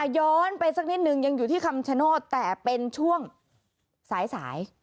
ย้อนไปสักนิดนึงยังอยู่ที่คำชโนธแต่เป็นช่วงสาย